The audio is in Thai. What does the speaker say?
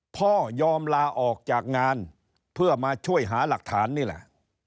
พ่อยอมลาออกจากงานเพื่อมาช่วยหาหลักฐานนี่แหละ